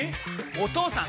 お義父さん！